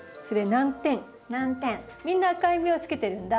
みんな赤い実をつけてるんだ。